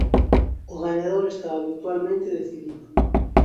O gañador estaba virtualmente decidido.